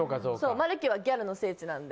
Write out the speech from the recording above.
マルキューはギャルの聖地なんで。